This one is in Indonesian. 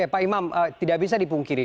pak imam tidak bisa dipungkiri